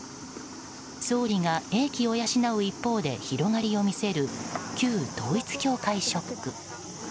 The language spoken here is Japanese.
総理が英気を養う一方で広がりを見せる旧統一教会ショック。